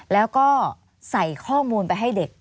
แล้วก็ใส่ข้อมูลไปให้เด็ก